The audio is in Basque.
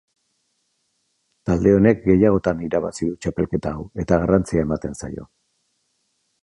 Talde honek gehiagotan irabazi du txapelketa hau eta garrantzia ematen zaio.